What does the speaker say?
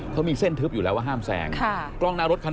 เขามีเส้นทึบอยู่แล้วว่าห้ามแซงกล้องหน้ารถคัน